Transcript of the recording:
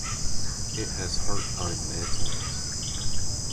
It has heart pine mantels.